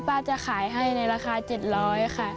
จะขายให้ในราคา๗๐๐ค่ะ